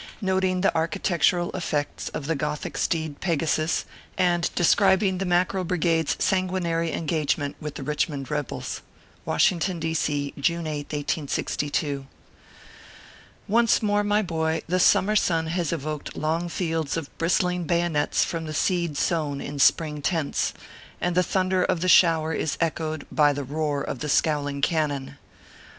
NOTING THE ARCHITECTURAL EFFECTS OF THE GOTHIC STEED, PEGASUS, AND DESCRIBING THE MACKEREL BRIGADE S SANGUINARY ENGAGE MENT WITH THE RICHMOND REBELS. WASHINGTON, D. C., June 8th, 1862. ONCE more, my boy, the summer sun lias evoked long fields of bristling bayonets from the seed sown in spring tents, and the thunder of the shower is echoed by the roar of the scowling cannon.